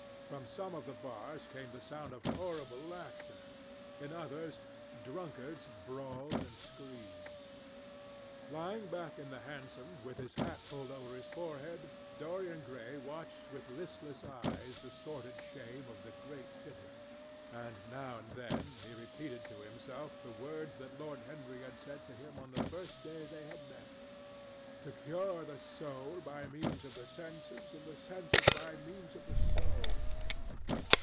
From some of the bars came the sound of horrible laughter. In others, drunkards brawled and screamed. Lying back in the hansom, with his hat pulled over his forehead, Dorian Gray watched with listless eyes the sordid shame of the great city, and now and then he repeated to himself the words that Lord Henry had said to him on the first day they had met, "To cure the soul by means of the senses, and the senses by means of the soul."